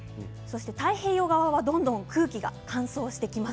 太平洋側はどんどん空気が乾燥してきます。